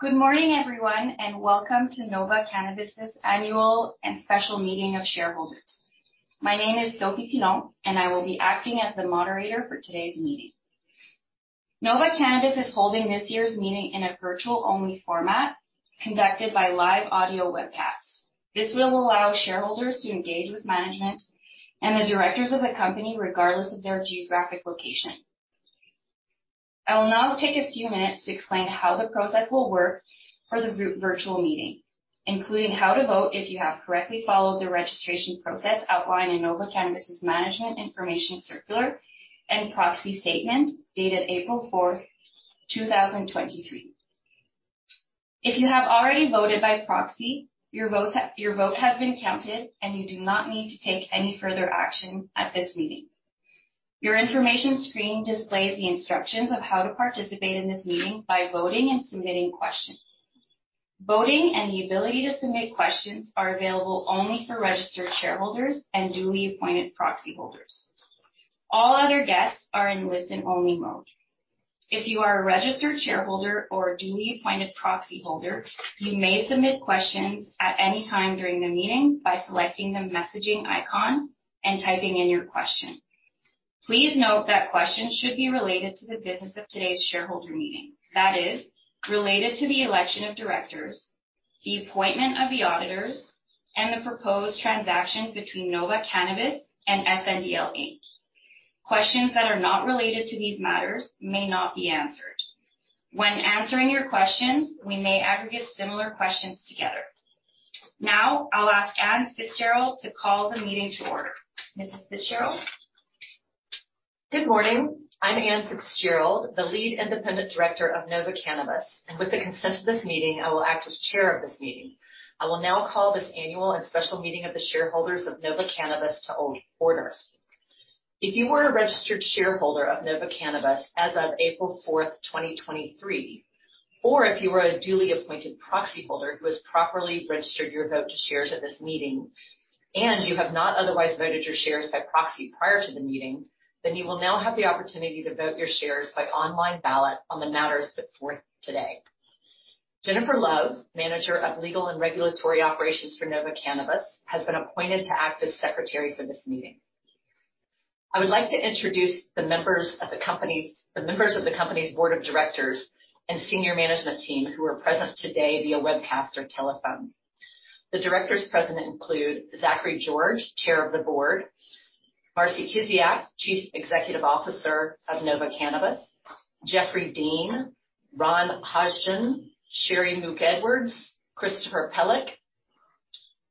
Good morning, everyone, and welcome to Nova Cannabis Annual and Special Meeting of Shareholders. My name is Sophie Pilon, and I will be acting as the moderator for today's meeting. Nova Cannabis is holding this year's meeting in a virtual-only format conducted by live audio webcast. This will allow shareholders to engage with management and the directors of the company regardless of their geographic location. I will now take a few minutes to explain how the process will work for the virtual meeting, including how to vote if you have correctly followed the registration process outlined in Nova Cannabis Management Information Circular and proxy statement dated April fourth, 2023. If you have already voted by proxy, your vote has been counted, and you do not need to take any further action at this meeting. Your information screen displays the instructions on how to participate in this meeting by voting and submitting questions. Voting and the ability to submit questions are available only for registered shareholders and duly appointed proxy holders. All other guests are in listen-only mode. If you are a registered shareholder or a duly appointed proxy holder, you may submit questions at any time during the meeting by selecting the messaging icon and typing in your question. Please note that questions should be related to the business of today's shareholder meeting. That is, related to the election of directors, the appointment of the auditors, and the proposed transaction between Nova Cannabis and SNDL Inc. Questions that are not related to these matters may not be answered. When answering your questions, we may aggregate similar questions together. Now, I'll ask Anne Fitzgerald to call the meeting to order, Mrs. Fitzgerald. Good morning, I'm Anne Fitzgerald, the Lead Independent Director of Nova Cannabis, and with the consent of this meeting, I will act as chair of this meeting. I will now call this annual and special meeting of the shareholders of Nova Cannabis to order. If you are a registered shareholder of Nova Cannabis as of April fourth, 2023, or if you are a duly appointed proxy holder who has properly registered your vote to shares at this meeting, and you have not otherwise voted your shares by proxy prior to the meeting, then you will now have the opportunity to vote your shares by online ballot on the matters put forth today. Jennifer Love, Manager of Legal and Regulatory Operations for Nova Cannabis, has been appointed to act as Secretary for this meeting. I would like to introduce the members of the company's Board of Directors and senior management team who are present today via webcast or telephone. The directors present include Zachary George, Chair of the Board, Marcie Kiziak, Chief Executive Officer of Nova Cannabis, Jeffrey Dean, Ron Hozjan, Shari Mogk-Edwards, Christopher Pelyk.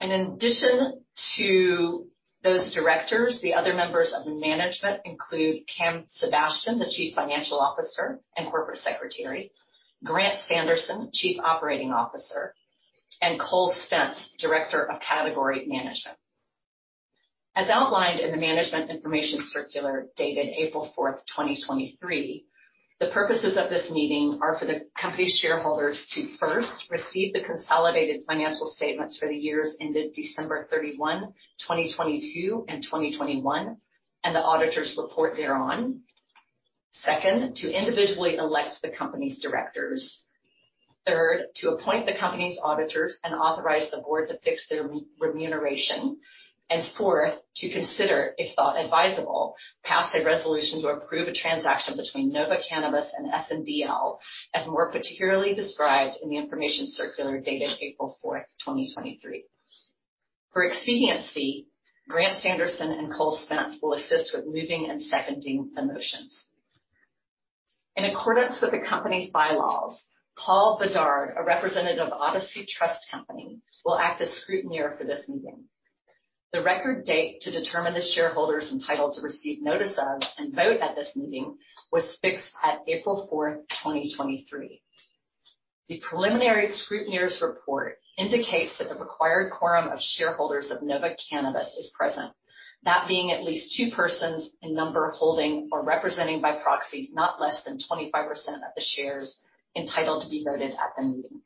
In addition to those directors, the other members of management include Cam Sebastian, the Chief Financial Officer and Corporate Secretary, Grant Sanderson, Chief Operating Officer, and Cole Spence, Director of Category Management. As outlined in the Management Information Circular dated April fourth, 2023, the purposes of this meeting are for the company's shareholders to, first, receive the consolidated financial statements for the years ended December 31, 2022 and 2021 and the auditor's report thereon. Second, to individually elect the company's directors. Third, to appoint the company's auditors and authorize the board to fix their remuneration. Fourth, to consider, if thought advisable, pass a resolution to approve a transaction between Nova Cannabis and SNDL, as more particularly described in the Information Circular dated April fourth, 2023. For expediency, Grant Sanderson and Cole Spence will assist with moving and seconding the motions. In accordance with the company's bylaws, Paul Bedard, a representative of Odyssey Trust Company, will act as scrutineer for this meeting. The record date to determine the shareholders entitled to receive notice of and vote at this meeting was fixed on April fourth, 2023. The preliminary scrutineer's report indicates that the required quorum of shareholders of Nova Cannabis is present, that being at least two persons in number holding or representing by proxy not less than 25% of the shares entitled to be voted at the meeting.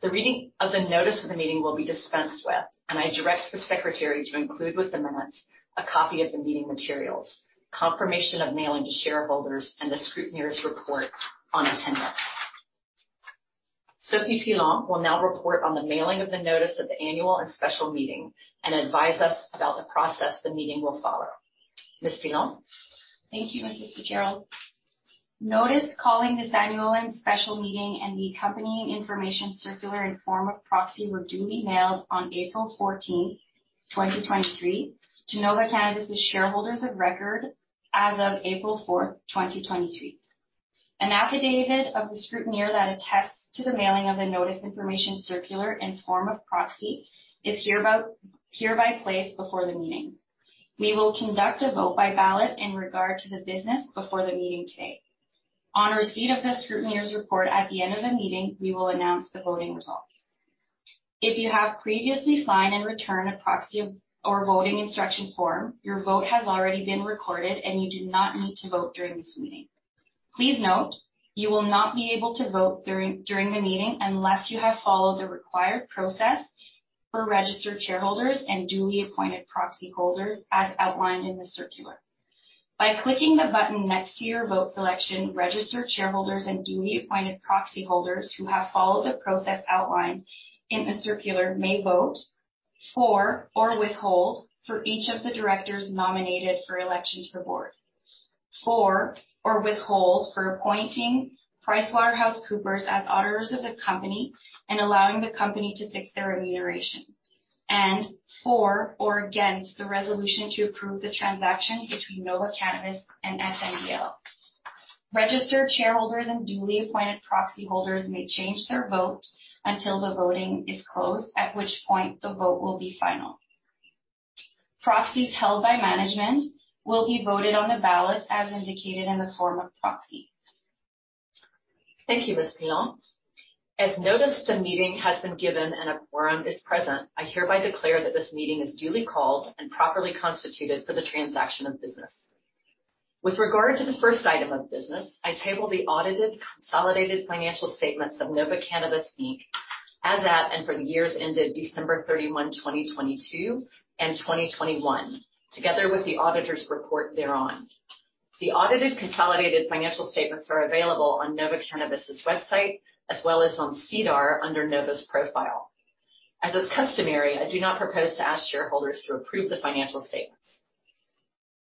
The reading of the notice of the meeting will be dispensed with. I direct the Secretary to include with the minutes a copy of the meeting materials, confirmation of mailing to shareholders, and the scrutineer's report on attendance. Sophie Pilon will now report on the mailing of the notice of the annual and special meeting and advise us about the process the meeting will follow, Ms. Pilon? Thank you, Ms. Fitzgerald. Notice calling this annual and special meeting and the accompanying information circular and form of proxy were duly mailed on April 14th, 2023 to Nova Cannabis shareholders of record as of April fourth, 2023. An affidavit of the scrutineer that attests to the mailing of the notice information circular and form of proxy is hereby placed before the meeting. We will conduct a vote by ballot in regard to the business before the meeting today. On receipt of the scrutineer's report at the end of the meeting, we will announce the voting results. If you have previously signed and returned a proxy or voting instruction form, your vote has already been recorded, and you do not need to vote during this meeting. Please note, you will not be able to vote during the meeting unless you have followed the required process For registered shareholders and duly appointed proxy holders as outlined in the circular. By clicking the button next to your vote selection, registered shareholders and duly appointed proxy holders who have followed the process outlined in the circular may vote for or withhold for each of the directors nominated for elections to the board, for or withhold for appointing PricewaterhouseCoopers as auditors of the company and allowing the company to fix their remuneration, and for or against the resolution to approve the transaction between Nova Cannabis and SNDL. Registered shareholders and duly appointed proxy holders may change their votes until the voting is closed, at which point the vote will be final. Proxies held by management will be voted on the ballot as indicated in the form of proxy. Thank you, Ms. Pilon. As notice the meeting has been given and a quorum is present, I hereby declare that this meeting is duly called and properly constituted for the transaction of business. With regard to the first item of business, I table the audited consolidated financial statements of Nova Cannabis Inc. as at and for the years ended December 31, 2022, and 2021, together with the auditor's report thereon. The audited consolidated financial statements are available on Nova Cannabis website, as well as on SEDAR under Nova's profile. As is customary, I do not propose to ask shareholders to approve the financial statements.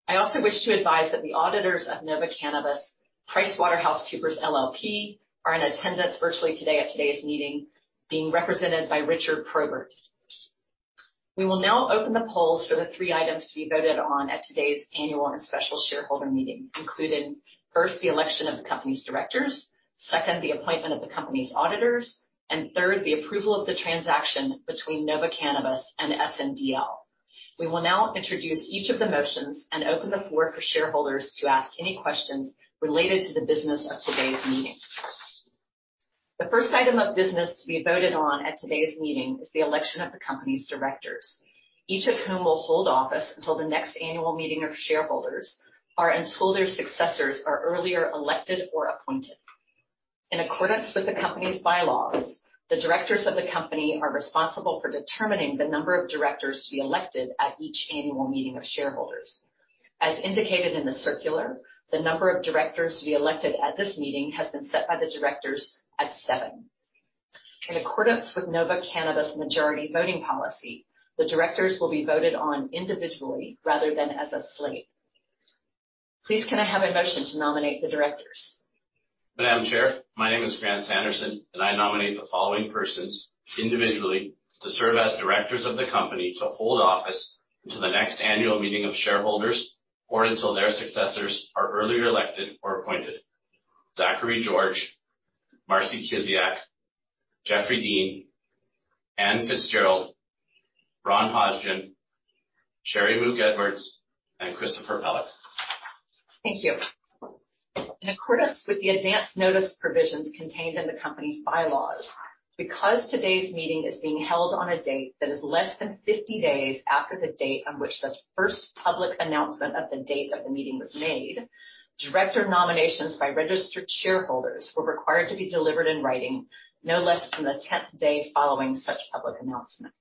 I also wish to advise that the auditors of Nova Cannabis, PricewaterhouseCoopers LLP, are in attendance virtually today at today's meeting being represented by Richard Probert. We will now open the polls for the three items to be voted on at today's annual and special shareholder meeting, including, first, the election of the company's directors, second, the appointment of the company's auditors, and third, the approval of the transaction between Nova Cannabis and SNDL. We will now introduce each of the motions and open the floor for shareholders to ask any questions related to the business of today's meeting. The first item of business to be voted on at today's meeting is the election of the company's directors, each of whom will hold office until the next annual meeting of shareholders or until their successors are earlier elected or appointed. In accordance with the company's bylaws, the directors of the company are responsible for determining the number of directors to be elected at each annual meeting of shareholders. As indicated in the circular, the number of directors to be elected at this meeting has been set by the directors at seven. In accordance with Nova Cannabis majority voting policy, the directors will be voted on individually rather than as a slate. Please, can I have a motion to nominate the directors? Madam Chair, my name is Grant Sanderson, and I nominate the following persons individually to serve as directors of the company to hold office until the next annual meeting of shareholders or until their successors are earlier elected or appointed: Zachary George, Marcie Kiziak, Jeffrey Dean, Anne Fitzgerald, Ron Hozjan, Shari Mogk-Edwards, and Christopher Pelyk. Thank you, in accordance with the advance notice provisions contained in the company's bylaws, because today's meeting is being held on a date that is less than 50 days after the date on which the first public announcement of the date of the meeting was made, director nominations by registered shareholders were required to be delivered in writing no less than the 10th day following such public announcement.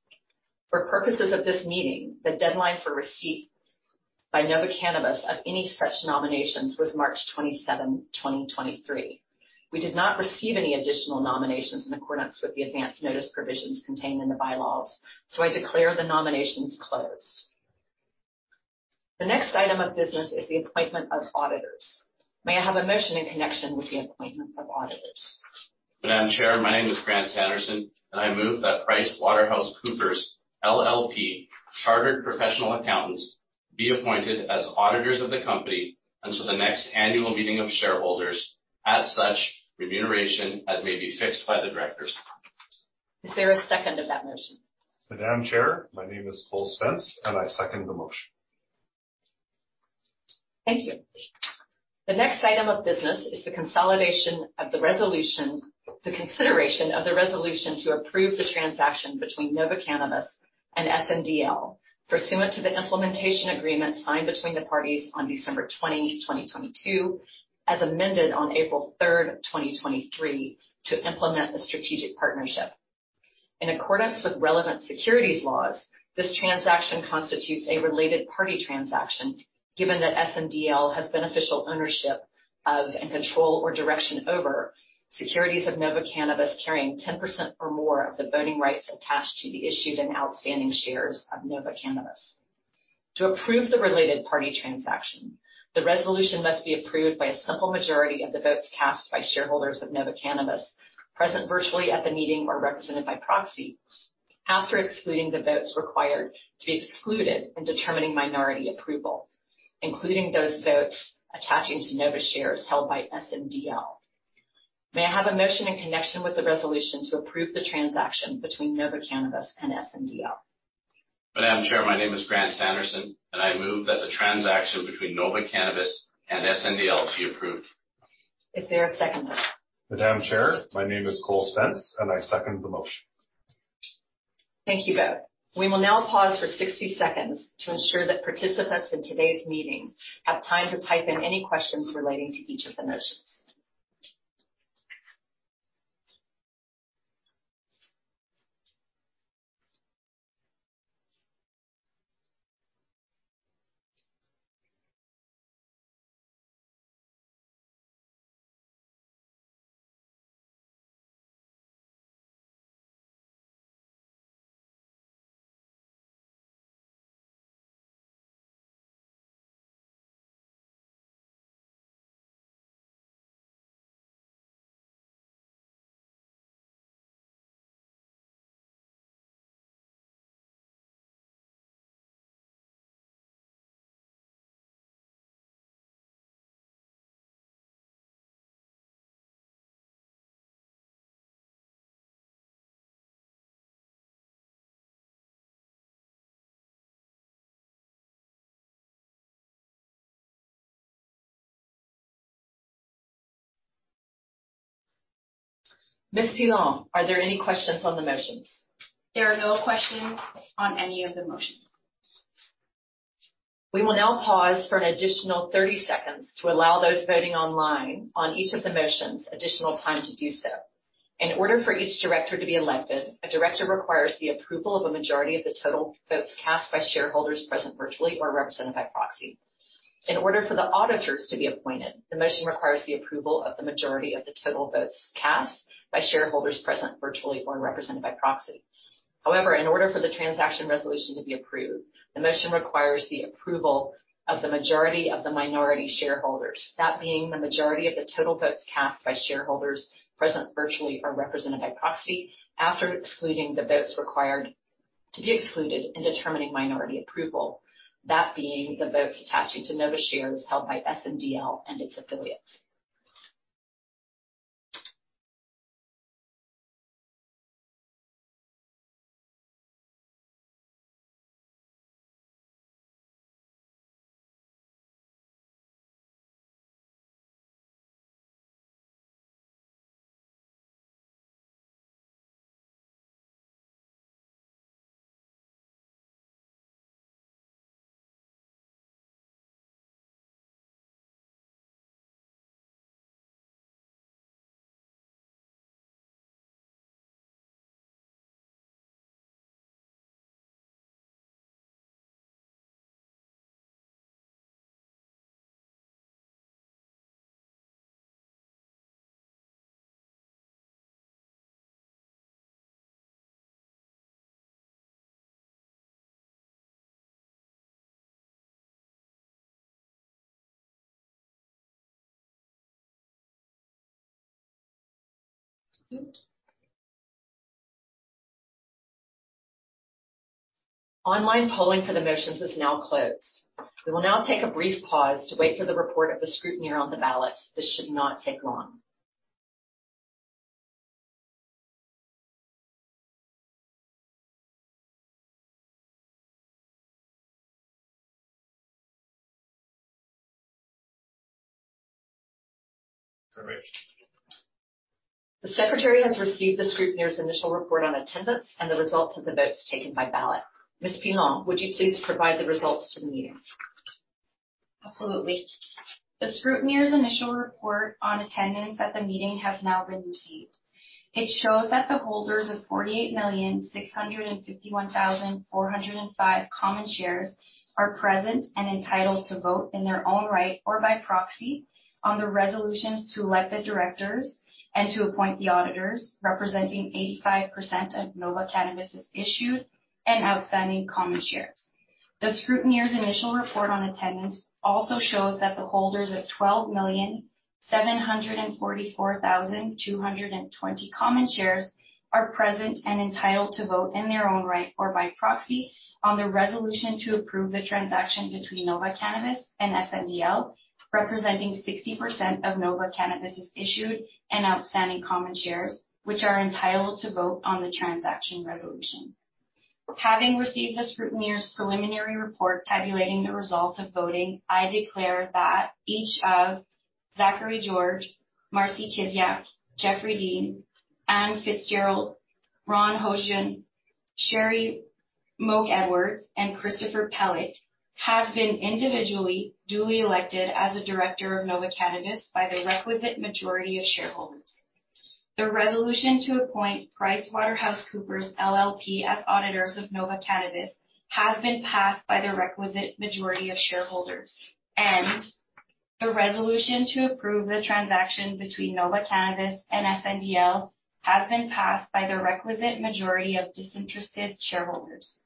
For purposes of this meeting, the deadline for receipt by Nova Cannabis of any such nominations was March 27th, 2023. We did not receive any additional nominations in accordance with the advance notice provisions contained in the bylaws. I declare the nominations closed. The next item of business is the appointment of auditors. May I have a motion in connection with the appointment of auditors? Madam Chair, my name is Grant Sanderson, and I move that PricewaterhouseCoopers LLP, Chartered Professional Accountants, be appointed as auditors of the company until the next annual meeting of shareholders at such remuneration as may be fixed by the directors. Is there a second to that motion? Madam Chair, my name is Cole Spence, and I second the motion. Thank you, the next item of business is the consideration of the resolution to approve the transaction between Nova Cannabis and SNDL pursuant to the implementation agreement signed between the parties on December 20th, 2022, as amended on April third, 2023, to implement the strategic partnership. In accordance with relevant securities laws, this transaction constitutes a related party transaction, given that SNDL has beneficial ownership as in control or direction over securities of Nova Cannabis carrying 10% or more of the voting rights attached to the issued and outstanding shares of Nova Cannabis. To approve the related party transaction, the resolution must be approved by a simple majority of the votes cast by shareholders of Nova Cannabis present virtually at the meeting or represented by proxy, after excluding the votes required to be excluded in determining minority approval, including those votes attaching to Nova shares held by SNDL. May I have a motion in connection with the resolution to approve the transaction between Nova Cannabis and SNDL? Madam Chair, my name is Grant Sanderson, and I move that the transaction between Nova Cannabis and SNDL be approved. Is there a seconder? Madam Chair, my name is Cole Spence, and I second the motion. Thank you both, we will now pause for 60 seconds to ensure that participants in today's meeting have time to type in any questions relating to each of the motions. Ms. Pilon, are there any questions on the motions? There are no questions on any of the motions. We will now pause for an additional 30 seconds to allow those voting online on each of the motions additional time to do so. In order for each director to be elected, a director requires the approval of a majority of the total votes cast by shareholders present virtually or represented by proxy. In order for the auditors to be appointed, the motion requires the approval of the majority of the total votes cast by shareholders present virtually or represented by proxy. In order for the transaction resolution to be approved, the motion requires the approval of the majority of the minority shareholders, that being the majority of the total votes cast by shareholders present virtually or represented by proxy, after excluding the votes required to be excluded in determining minority approval, that being the votes attaching to Nova shares held by SNDL and its affiliates. Online polling for the motions is now closed. We will now take a brief pause to wait for the report of the scrutineer on the ballots. This should not take long. The Secretary has received the scrutineer's initial report on attendance and the results of the votes taken by ballot. Ms. Pilon, would you please provide the results to the meeting? Absolutely, the scrutineer's initial report on attendance at the meeting has now been received. It shows that the holders of 48,651,405 common shares are present and entitled to vote in their own right or by proxy on the resolutions to elect the directors and to appoint the auditors, representing 85% of Nova Cannabis issued and outstanding common shares. The scrutineer's initial report on attendance also shows that the holders of 12,744,220 common shares are present and entitled to vote in their own right or by proxy on the resolution to approve the transaction between Nova Cannabis and SNDL, representing 60% of Nova Cannabis issued and outstanding common shares, which are entitled to vote on the transaction resolution. Having received the scrutineer's preliminary report tabulating the results of voting, I declare that each of Zachary George, Marcie Kiziak, Jeffrey Dean, Anne Fitzgerald, Ron Hozjan, Shari Mogk-Edwards, and Christopher Pelyk has been individually duly elected as a director of Nova Cannabis by the requisite majority of shareholders. The resolution to appoint PricewaterhouseCoopers LLP as auditors of Nova Cannabis has been passed by the requisite majority of shareholders, and the resolution to approve the transaction between Nova Cannabis and SNDL has been passed by the requisite majority of disinterested shareholders.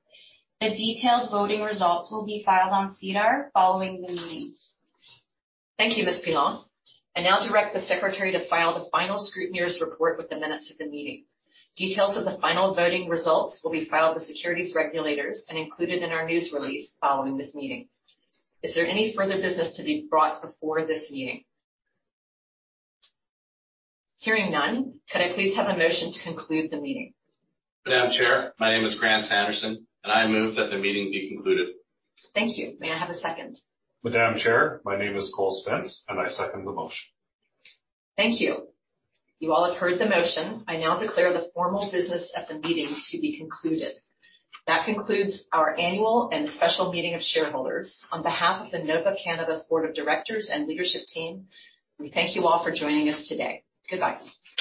The detailed voting results will be filed on SEDAR following the meeting. Thank you, Ms. Pilon. I now direct the Secretary to file the final scrutineer's report with the minutes of the meeting. Details of the final voting results will be filed with securities regulators and included in our news release following this meeting. Is there any further business to be brought before this meeting? Hearing none, can I please have a motion to conclude the meeting? Madam Chair, my name is Grant Sanderson, and I move that the meeting be concluded. Thank you, may I have a second? Madam Chair, my name is Cole Spence, I second the motion. Thank you, you all have heard the motion. I now declare the formal business of the meeting to be concluded. That concludes our annual and special meeting of shareholders. On behalf of the Nova Cannabis Board of Directors and leadership team, we thank you all for joining us today, goodbye.